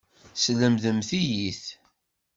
Teslemdem-iyi-t.